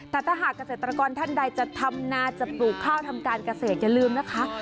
แต่ถ้าหากเกษตรกรท่านใดจะทำนาจะปลูกข้าวทำการเกษตรอย่าลืมนะคะ